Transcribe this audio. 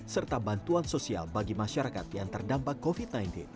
serta bantuan sosial bagi masyarakat yang terdampak covid sembilan belas